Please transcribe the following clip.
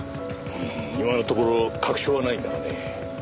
うん今のところ確証はないんだがね。